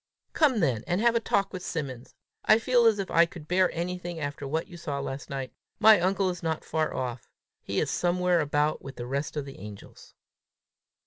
"Come along then, and have a talk with Simmons! I feel as if I could bear anything after what you saw last night. My uncle is not far off! He is somewhere about with the rest of the angels!"